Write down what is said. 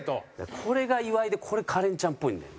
これが岩井でこれカレンちゃんっぽいんだよね。